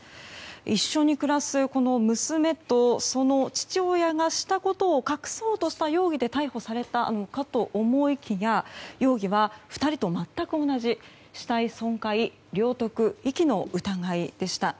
一緒に暮らす娘と父親がしたことを隠そうとした容疑で逮捕されたのかと思いきや容疑は２人と全く同じ死体損壊・領得・遺棄の疑いでした。